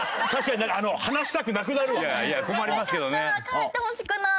帰ってほしくない。